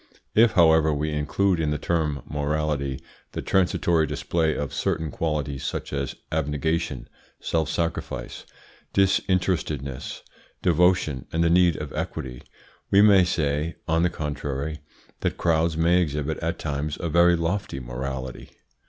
If, however, we include in the term morality the transitory display of certain qualities such as abnegation, self sacrifice, disinterestedness, devotion, and the need of equity, we may say, on the contrary, that crowds may exhibit at times a very lofty morality.